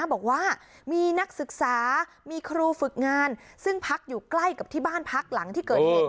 บอกว่ามีนักศึกษามีครูฝึกงานซึ่งพักอยู่ใกล้กับที่บ้านพักหลังที่เกิดเหตุ